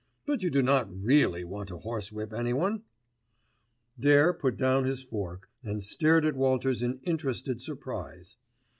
"But you do not really want to horsewhip anyone." Dare put down his fork and stared at Walters in interested surprise.